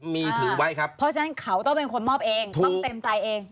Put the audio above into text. เพราะฉะนั้นเขาต้องเป็นคนมอบเองต้องเต็มใจเอง